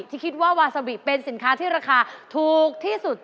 ที่คิดว่าวาซาบิเป็นสินค้าที่ราคาถูกที่สุด